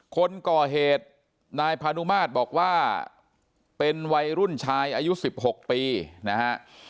คนก่อเหตุนายพานุมาตรบอกว่าเป็นวัยรุ่นชายอายุ๑๖ปีนะฮะ